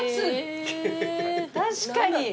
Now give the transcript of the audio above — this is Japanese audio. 確かに。